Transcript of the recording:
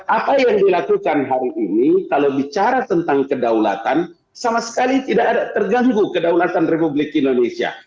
apa yang dilakukan hari ini kalau bicara tentang kedaulatan sama sekali tidak ada terganggu kedaulatan republik indonesia